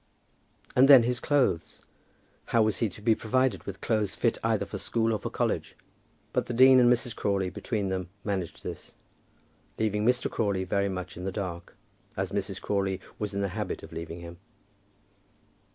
And then his clothes! How was he to be provided with clothes fit either for school or for college? But the dean and Mrs. Crawley between them managed this, leaving Mr. Crawley very much in the dark, as Mrs. Crawley was in the habit of leaving him.